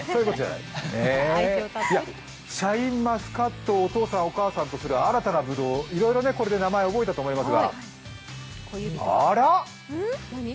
シャインマスカットをお父さん、お母さんとする新たなぶどう、いろいろ、これで名前覚えたと思います。